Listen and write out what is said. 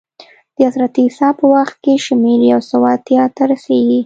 د حضرت عیسی په وخت کې شمېر یو سوه اتیا ته رسېږي